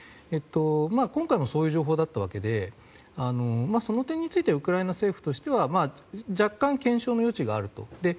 今回もそういう情報でその点についてもウクライナ政府としては若干検証の余地があると。